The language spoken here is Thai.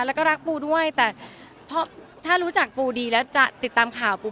และรักปุ๋สด้วยแต่ถ้ารู้จักปุ๋สดีและติดตามข่าวปุ๋ส